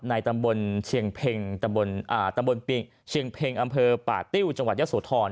ในตำบลเชียงเพ็งอำเภอป่าติ้วจังหวัดยัสโสธร